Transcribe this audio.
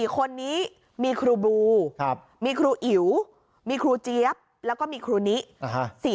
๔คนนี้มีครูบลูมีครูอิ๋วมีครูเจี๊ยบแล้วก็มีครูนิ